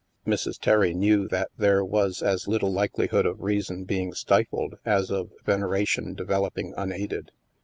Mrs. Terry knew that there was as little likeli hood of reason being stifled as of veneration devel oping unaided.